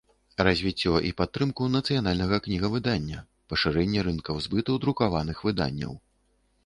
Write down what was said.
Развiццё i падтрымку нацыянальнага кнiгавыдання, пашырэнне рынкаў збыту друкаваных выданняў.